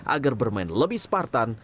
agar bermain lebih sepakat